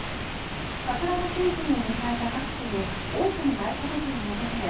桜のシーズンを迎えた各地に多くの外国人が訪れ